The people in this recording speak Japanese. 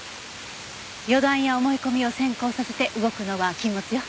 予断や思い込みを先行させて動くのは禁物よ。